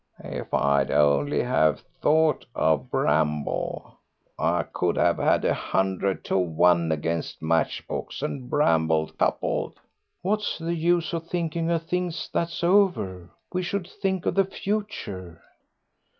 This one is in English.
"If I'd only have thought of Bramble... I could have had a hundred to one against Matchbox and Bramble coupled." "What's the use of thinking of things that's over? We should think of the future."